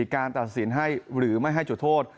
การตัดสินให้หรือไม่ให้จุดโทษ